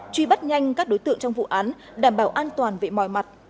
truy bắt nhanh các đối tượng trong vụ án đảm bảo an toàn về mọi mặt